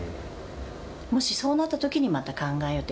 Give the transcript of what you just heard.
もしそうなったときに、また考えようって。